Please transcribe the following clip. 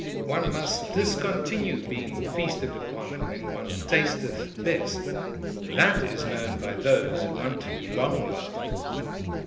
One must discontinue being feasted upon when one tasteth best: that is known by those who want to be long loved.